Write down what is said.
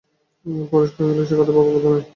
পরেশ কহিলেন, সে কথা ভাবার কথাই নয়।